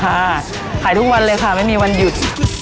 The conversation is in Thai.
ขายทุกวันเลยค่ะไม่มีวันหยุด